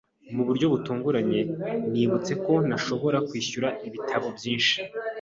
Mu buryo butunguranye, nibutse ko ntashobora kwishyura ibitabo byinshi.